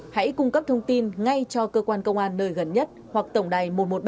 hãy cung cấp thông tin ngay cho cơ quan công an nơi gần nhất hoặc tổng đài một trăm một mươi ba